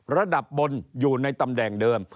ระดับบนอยู่ในตำแหน่งเดิม